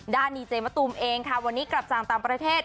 ดีเจมะตูมเองค่ะวันนี้กลับจากต่างประเทศ